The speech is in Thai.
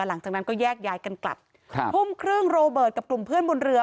หลังจากนั้นก็แยกย้ายกันกลับครับทุ่มครึ่งโรเบิร์ตกับกลุ่มเพื่อนบนเรือ